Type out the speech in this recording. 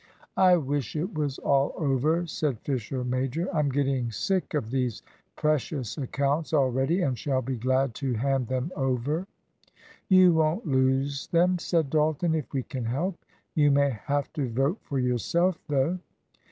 "I wish it was all over," said Fisher major. "I'm getting sick of these precious accounts already, and shall be glad to hand them over." "You won't lose them," said Dalton, "if we can help. You may have to vote for yourself, though."